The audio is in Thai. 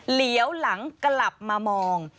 เหลียวหลังกลับมามอง